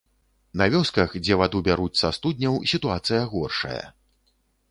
На вёсках, дзе ваду бяруць са студняў, сітуацыя горшая.